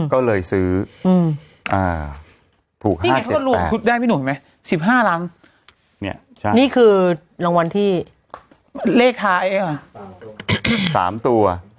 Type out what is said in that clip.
ก็เลยซื้อถูก๕๗๘๑๕นี่นะครับแล้วนี่คือรางวัลเลขท้าย๓ตัว